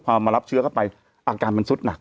พอมารับเชื้อเข้าไปอาการมันสุดหนัก